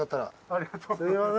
ありがとうございます。